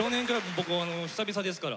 僕久々ですから。